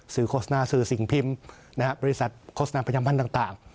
โฆษณาสื่อสิ่งพิมพ์บริษัทโฆษณาประจำพันธ์ต่าง